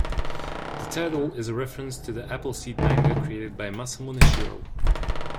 The title is a reference to the Appleseed manga created by Masamune Shirow.